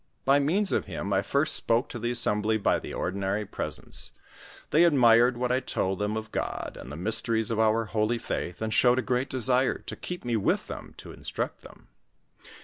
By means of him I first spoke to the assembly by the ordinary presents ; they admired what I told them of God, and the mysteries of our holy faith, and showed a great desire to keep me with them to instruct them.